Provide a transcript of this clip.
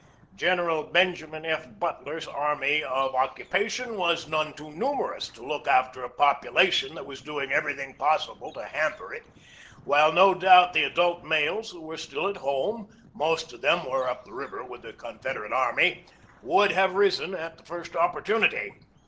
General Benjamin F. But ler's army of occupation was none too numerous to look after a population that was doing everything possible to hamper it, while no doubt the adult males who were still at home most of them were up the river with the Confederate army would have risen at the first opportunity.